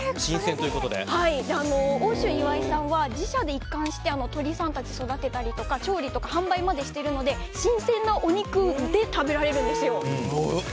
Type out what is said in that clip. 奥州いわいさんは自社で一貫して鶏さんたちを育てたり調理とか、販売までしてるので新鮮なお肉で食べられるんですよ。